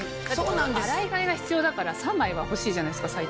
洗い替えが必要だから３枚は欲しいじゃないですか最低。